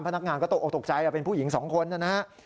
พนักงานก็ตกออกตกใจเป็นผู้หญิงสองคนนะฮะ